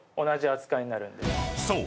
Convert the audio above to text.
［そう。